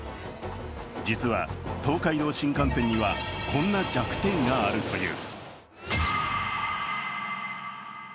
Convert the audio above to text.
実は、東海道新幹線にはこんな弱点があるという。